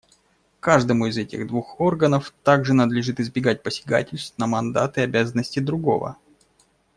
Каждому из этих двух органов также надлежит избегать посягательств на мандат и обязанности другого.